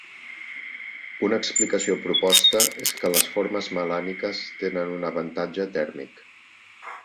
Una explicació proposta és que les formes melàniques tenen un avantatge tèrmic.